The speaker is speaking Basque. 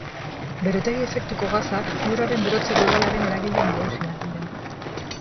Berotegi-efektuko gasak Lurraren berotze globalaren eragile nagusiak dira.